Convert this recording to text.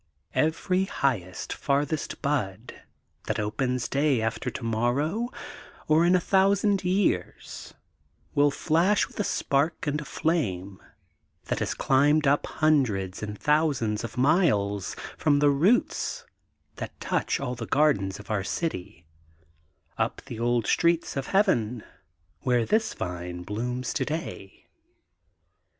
Every highest, fartherest bud that opens day after to morrow, or in a thousand years, will flash with a spark and a flame, that has climbed up hundreds and thousands of miles from the roots that touch all the gardens of our city, up the old streets of Heaven, where this vine blooms today.